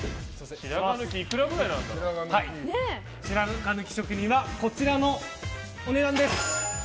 白髪抜き職人はこちらのお値段です。